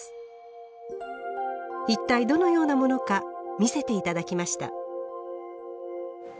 一体どのようなものか見せて頂きました。